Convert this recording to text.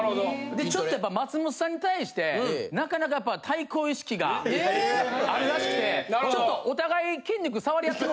でちょっとやっぱ松本さんに対してなかなかやっぱ対抗意識があるらしくてちょっとお互い。